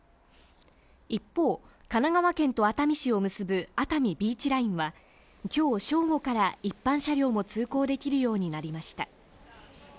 一方、神奈川県と熱海市を結ぶ熱海ビーチラインは今日正午から一般車両も通行できるようになりました。